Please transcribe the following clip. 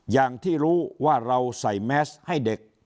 อย่างที่รู้ว่าเราใส่แมสให้เด็ก